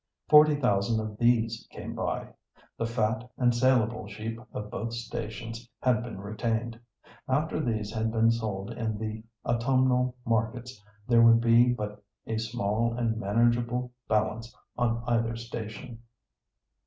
Forty thousand of these came by. The fat and saleable sheep of both stations had been retained. After these had been sold in the autumnal markets there would be but a small and manageable balance on either station.